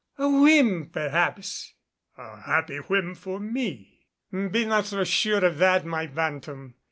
A whim, perhaps." "A happy whim for me." "Be not so sure of that, my bantam.